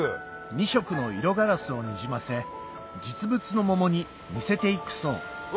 ２色の色ガラスをにじませ実物の桃に似せて行くそううわ